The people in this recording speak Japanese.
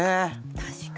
確かにな。